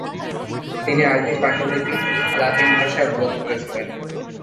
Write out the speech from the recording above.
তিনি আরবী পাণ্ডুলিপিগুলি লাতিন ভাষায় অনুবাদ করেছিলেন।